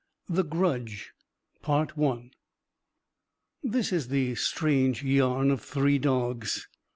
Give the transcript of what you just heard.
THE GRUDGE This is the strange yarn of three dogs.